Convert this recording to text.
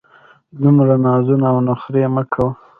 دومره نازونه او نخرې مه کوه!